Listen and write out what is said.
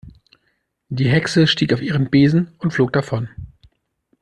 Die Hexe stieg auf ihren Besen und flog davon.